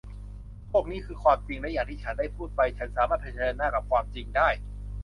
พวกนี้คือความจริงและอย่างที่ฉันได้พูดไป ฉันสามารถเผชิญหน้ากับความจริงได้